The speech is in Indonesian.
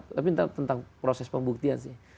tapi tentang proses pembuktian sih